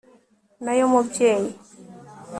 nayo mubyeyi